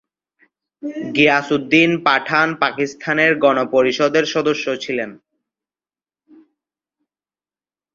গিয়াসউদ্দিন পাঠান পাকিস্তানের গণপরিষদের সদস্য ছিলেন।